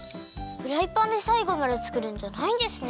フライパンでさいごまでつくるんじゃないんですね！